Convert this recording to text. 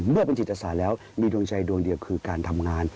เมื่อเป็นจิตศาสตร์แล้วมีดวงใจดวงเดียวคือการทำงาน